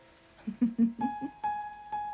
フフフフフ。